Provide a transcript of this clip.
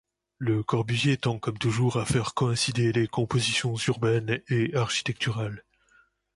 Le Corbusier tend comme toujours à faire coïncider les compositions urbaines et architecturales.